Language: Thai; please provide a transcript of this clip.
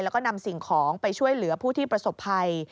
แล้วก็นำสิ่งของไปช่วยเหลือผู้ที่ประสบภัย